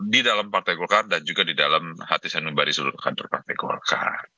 di dalam partai golkar dan juga di dalam hati sanumba di seluruh kantor partai golkar